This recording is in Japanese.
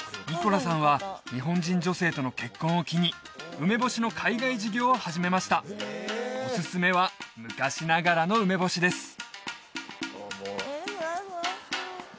ニコラさんは日本人女性との結婚を機に梅干しの海外事業を始めましたおすすめは昔ながらの梅干しです